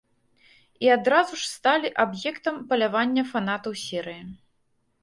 І адразу ж сталі аб'ектам палявання фанатаў серыі.